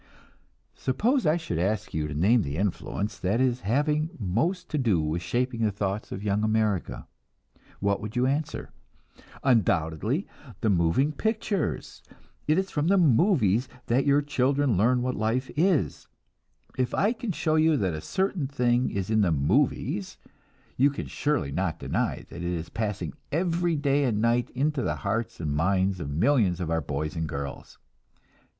Suppose I should ask you to name the influence that is having most to do with shaping the thoughts of young America what would you answer? Undoubtedly, the moving pictures. It is from the "movies" that your children learn what life is; if I can show you that a certain thing is in the "movies," you can surely not deny that it is passing every day and night into the hearts and minds of millions of our boys and girls.